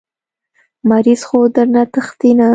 مريض خو درنه تښتي نه.